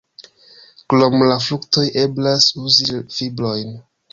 Krom la fruktoj eblas uzi fibrojn.